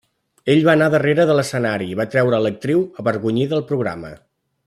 Ell va anar darrere de l'escenari i va treure a l'actriu avergonyida al programa.